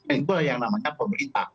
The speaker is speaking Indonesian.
itu yang namanya pemerintah